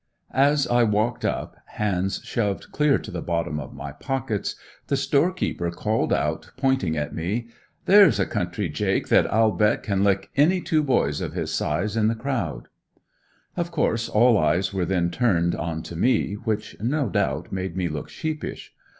As I walked up, hands shoved clear to the bottom of my pockets, the store keeper called out, pointing at me, "there's a country Jake that I'll bet can lick any two boys of his size in the crowd." Of course all eyes were then turned onto me, which, no doubt, made me look sheepish.